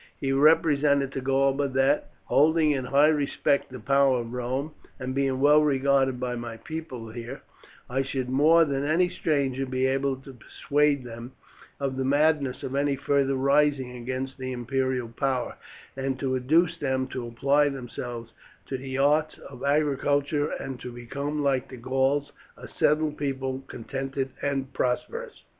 He represented to Galba that, holding in high respect the power of Rome, and being well regarded by my people here, I should, more than any stranger, be able to persuade them of the madness of any further rising against the imperial power, and to induce them to apply themselves to the arts of agriculture, and to become, like the Gauls, a settled people contented and prosperous.